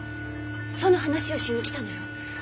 その話をしに来たのよ。